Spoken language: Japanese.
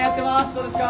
どうですか？